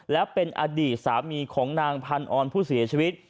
และเป็นอดีตสามีของนางพันออนผู้เสียชีวิต